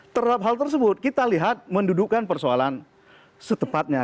terhadap hal tersebut kita lihat mendudukan persoalan setepatnya